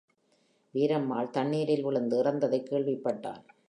வீரம்மாள் தண்ணீரில், விழுந்து இறந்ததைக் கேள்விப்பட்டான்.